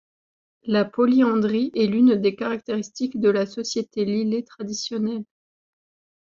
La polyandrie est l'une des caractéristiques de la société leele traditionnelle.